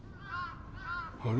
あれ？